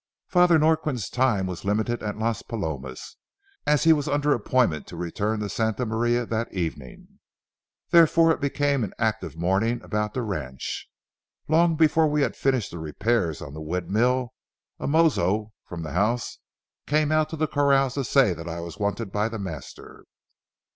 Father Norquin's time was limited at Las Palomas, as he was under appointment to return to Santa Maria that evening. Therefore it became an active morning about the ranch. Long before we had finished the repairs on the windmill, a mozo from the house came out to the corrals to say I was wanted by the master.